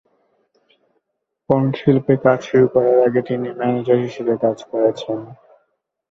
Porn শিল্পে কাজ শুরু করার আগে তিনি ম্যানেজার হিসেবে কাজ করেছেন।